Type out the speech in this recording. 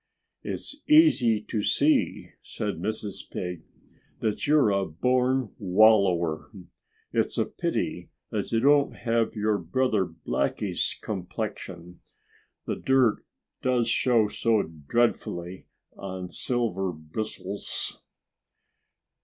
"It's easy to see," said Mrs. Pig, "that you're a born wallower. It's a pity that you haven't your brother Blackie's complexion. The dirt does show so dreadfully on silver bristles!"